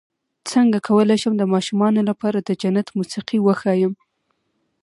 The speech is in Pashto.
څنګه کولی شم د ماشومانو لپاره د جنت موسيقي وښایم